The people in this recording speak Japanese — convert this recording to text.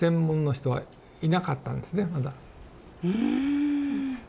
うん！